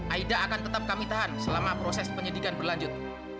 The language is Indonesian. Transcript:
aida akan tetap kami tahan selama proses penyidikan berlanjut